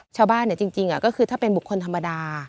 จริงก็คือถ้าเป็นบุคคลธรรมดา